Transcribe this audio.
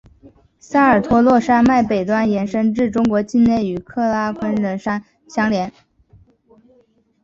萨尔托洛山脉北端延伸至中国境内与喀喇昆仑山锡亚康戈里峰相连。